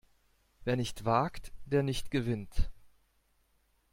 Wer nicht wagt, der nicht gewinnt!